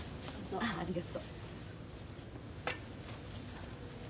ああありがとう。